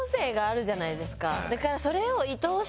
だからそれを。